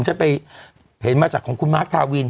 ฉันไปเห็นมาจากของคุณมาร์คทาวิน